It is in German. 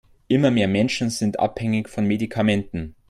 Immer mehr Menschen sind abhängig von Medikamenten.